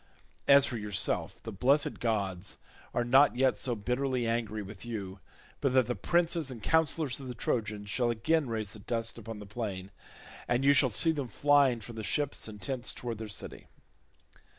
As for yourself, the blessed gods are not yet so bitterly angry with you but that the princes and counsellors of the Trojans shall again raise the dust upon the plain, and you shall see them flying from the ships and tents towards their city."